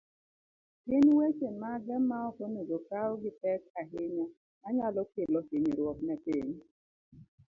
Gin weche mage maok onego okaw gipek ahinya, manyalo kelo hinyruok ne piny?